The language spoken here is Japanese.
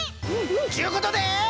ちゅうことで。